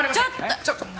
ちょっと！